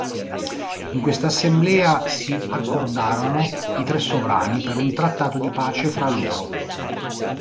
In quest'assemblea si accordarono i tre sovrani per un trattato di pace fra loro.